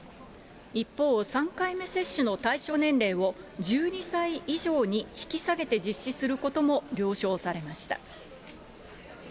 一方、３回目接種の対象年齢を、１２歳以上に引き下げて実施することも了承されました。